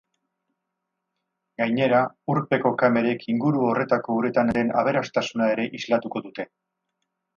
Gainera, urpeko kamerek inguru horretako uretan den aberastasuna ere islatuko dute.